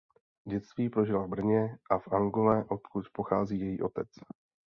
Dětství prožila v Brně a v Angole odkud pochází její otec.